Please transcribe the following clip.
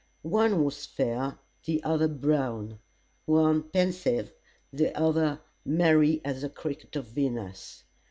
One was fair, the other brown; one pensive, the other merry as the cricket of Venus.